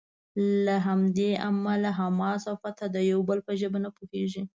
له همدې امله حماس او فتح د یو بل په ژبه نه پوهیږي.